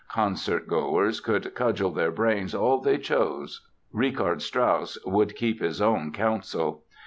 Concertgoers could cudgel their brains all they chose, Richard Strauss would keep his own counsel!